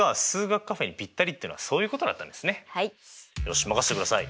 よし任せてください。